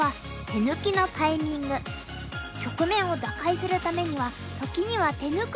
局面を打開するためには時には手抜くのも大切です。